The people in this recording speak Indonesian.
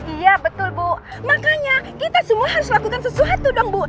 iya betul bu makanya kita semua harus lakukan sesuatu dong bu